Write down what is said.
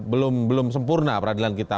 belum belum sempurna peradilan kita